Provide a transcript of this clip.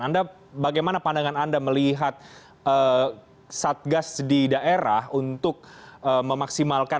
anda bagaimana pandangan anda melihat satgas di daerah untuk memaksimalkan